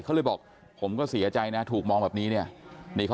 เขาเลยบอกผมก็เสียใจนะถูกมองแบบนี้เนี่ย